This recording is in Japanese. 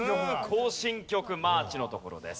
行進曲マーチのところです。